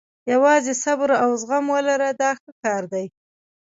یوازې صبر او زغم ولره دا ښه کار دی.